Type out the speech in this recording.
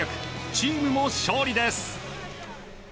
チームも勝利です。